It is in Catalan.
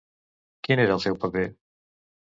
Quin era el seu paper?